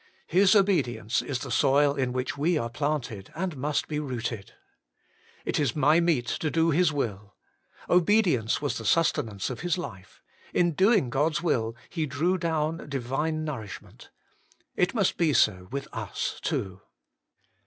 His obedi ence is the soil in which we are planted, and must be rooted. 'It is my meat to do His will ;' obedience was the sustenance of His life ; in doing God's will He drew down Divine nourishment; it must be so with us too.